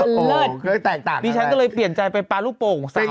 โอ้โฮคือแตกต่างกันไหมครับพี่ชาวก็เลยเปลี่ยนใจไปปานลูกโปรของสาม